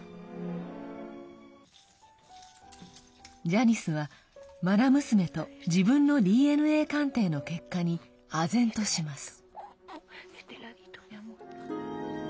ジャニスは、まな娘と自分のＤＮＡ鑑定の結果にあぜんとします。